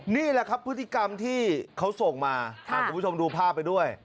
นี่แหละครับพฤติกรรมที่เขาส่งมาคุณผู้ชมดูภาพไปด้วย